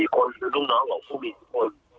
๔คนหรือลูกน้องของผู้บินคน